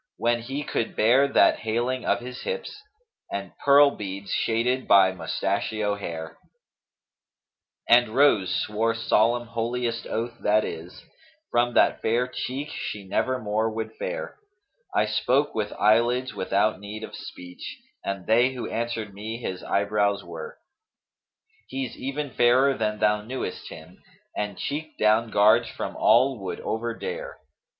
When he could bear that haling of his hips * And pearl beads shaded by mustachio hair;[FN#237] And Rose swore solemn, holiest oath that is, * From that fair cheek she nevermore would fare I spoke with eyelids without need of speech, * And they who answered me his eyebrows were. He's even fairer than thou knewest him, * And cheek down guards from all would overdare.